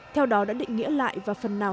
theo đó đã định nghĩa lại và phần nào